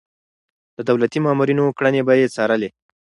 د دولتي مامورينو کړنې به يې څارلې.